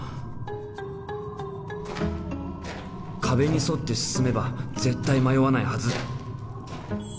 壁に沿って進めば絶対迷わないはず！